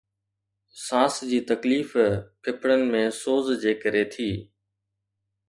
سانس جي تڪليف ڦڦڙن ۾ سوز جي ڪري ٿي